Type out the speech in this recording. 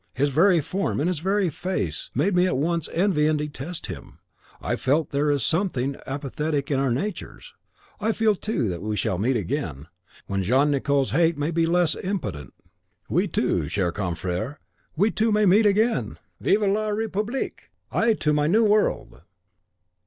His very form, and his very face, made me at once envy and detest him. I felt that there is something antipathetic in our natures. I feel, too, that we shall meet again, when Jean Nicot's hate may be less impotent. We, too, cher confrere, we, too, may meet again! Vive la Republique! I to my new world!"